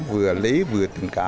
vừa lý vừa tình cảm